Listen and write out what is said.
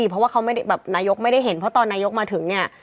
เพราะว่าเขาไม่ได้แบบนายกไม่ได้เห็นเพราะตอนนายกมาถึงเนี่ย